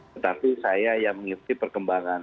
tetapi saya yang mengikuti perkembangan